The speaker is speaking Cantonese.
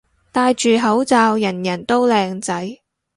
戴住口罩人人都靚仔